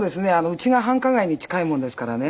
うちが繁華街に近いもんですからね。